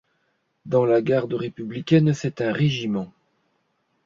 Dans la garde républicaine, c'est un régiment.